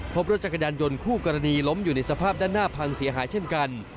พบรถจักรยานยนต์คู่กรณีล้มอยู่ในสภาพด้านหน้าพังเสียหายเช่นกัน